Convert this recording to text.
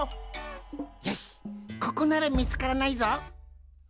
よしここならみつからないぞ。